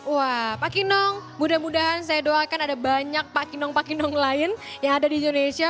wah pak kinong mudah mudahan saya doakan ada banyak pak kinong pak kinong lain yang ada di indonesia